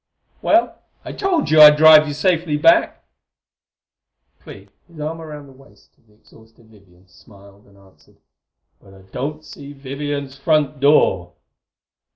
"Well, I told you I'd drive you safely back!" Clee, his arm around the waist of the exhausted Vivian, smiled and answered: "But I don't see Vivian's front door."